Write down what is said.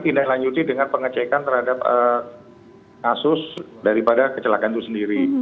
tindak lanjuti dengan pengecekan terhadap kasus daripada kecelakaan itu sendiri